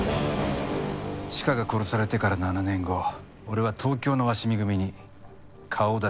チカが殺されてから７年後俺は東京の鷲見組に顔を出すようになっていた。